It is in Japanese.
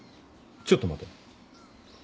ちょっと待て。